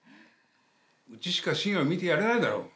うちしか進を見てやれないだろ。